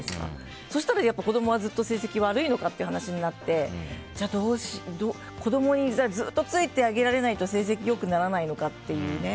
そうしたら、子供はずっと成績悪いのかという話になってじゃあ子供についてあげられないと成績よくならないのかっていうね。